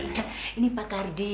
ini pak ardi ya